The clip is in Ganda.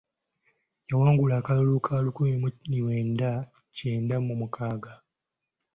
Yawangula akalulu ka lukumi mu lwenda kyenda mu mukaaga.